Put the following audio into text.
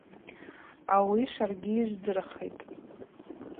Ауи шваргьи йыжвдыритӏ.